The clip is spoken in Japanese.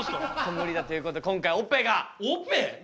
無理だということで今回オペが。